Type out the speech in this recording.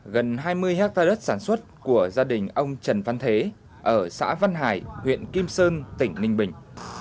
gần hai mươi hectare đất sản xuất của gia đình ông trần văn thế ở xã văn hải huyện kim sơn tỉnh ninh bình